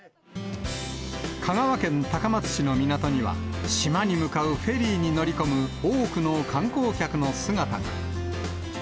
香川県高松市の港には、島に向かうフェリーに乗り込む多くの観光客の姿が。